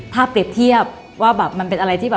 ภาพเตรียบว่ามันเป็นอะไรที่